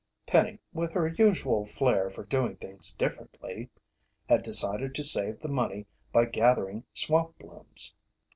Penny, with her usual flare for doing things differently, had decided to save the money by gathering swamp blooms.